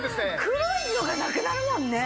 黒いのがなくなるもんね！